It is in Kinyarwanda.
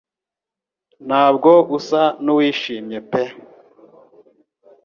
Ntabwo usa n'uwishimye pe